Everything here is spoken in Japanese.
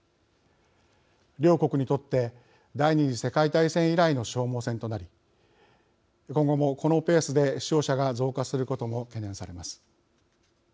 両国にとって第２次世界大戦以来の消耗戦となり今後も、このペースで死傷者が増加することも懸念されます。